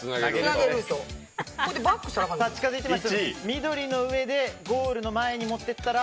緑の上でゴールの前にもっていったら。